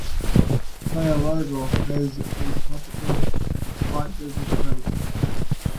Faya-Largeau has a tropical hot desert climate.